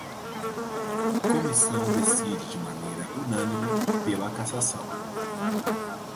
Comissão decide de maneira unânime pela cassação